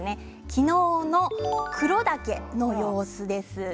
昨日の黒岳の様子です。